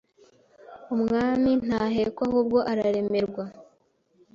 Umwami Ntahekwa ahubwo Araremerwa